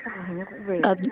hình như cũng về